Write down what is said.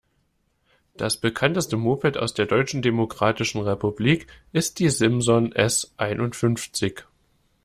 Das bekannteste Moped aus der Deutschen Demokratischen Republik ist die Simson S einundfünfzig.